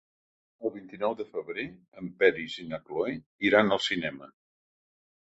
El vint-i-nou de febrer en Peris i na Cloè iran al cinema.